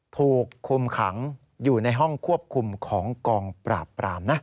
ถูกคุมขังอยู่ในห้องควบคุมของกองปราบปรามนะ